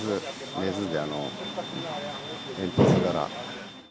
熱で、煙突から。